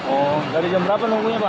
oh dari jam berapa nunggunya pak